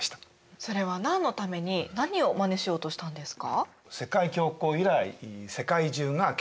それは何のために何をまねしようとしたんですか？